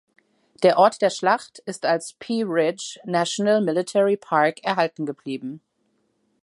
Der Ort der Schlacht ist als Pea Ridge National Military Park erhalten geblieben.